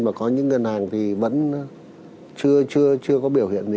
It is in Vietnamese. mà có những ngân hàng thì vẫn chưa có biểu hiện gì